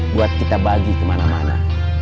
buat kita bagi kemana mana